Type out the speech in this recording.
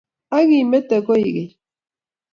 Ak imite koigeny.